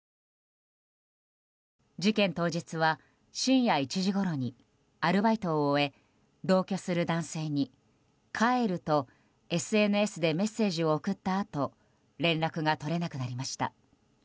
事件当日は深夜１時ごろにアルバイトを終え同居する男性に、帰るとＳＮＳでメッセージを送ったあと連絡が取れなくなりました。